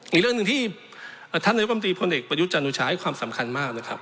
อีกเรื่องหนึ่งที่ท่านนายกรรมตรีพลเอกประยุทธ์จันโอชาให้ความสำคัญมากนะครับ